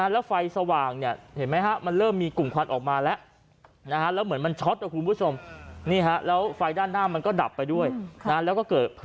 แล้วไฟสว่างมันเริ่มมีกลุ่มควัฒณ์ออกมาแล้ว